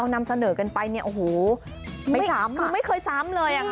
ทำเสนอกันไปนี้อันนี้ก็ไม่เคยซ้ำเลย